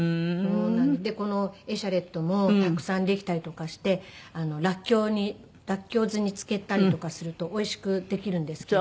このエシャレットもたくさんできたりとかしてらっきょうにらっきょう酢に漬けたりとかするとおいしくできるんですけど。